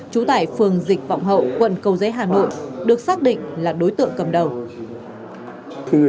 chú tại phường dịch vọng hậu quận cầu dế hà nội được xác định là đối tượng cầm đầu